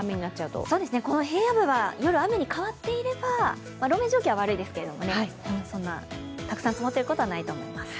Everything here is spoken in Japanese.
そうですね、この平野部は夜、雨に変わっていれば、路面状況は悪いですけどたくさん積もることはないと思います。